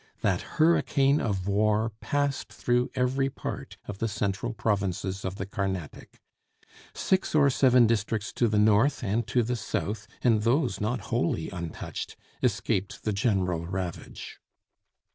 That hurricane of war passed through every part of the central provinces of the Carnatic. Six or seven districts to the north and to the south (and those not wholly untouched) escaped the general ravage.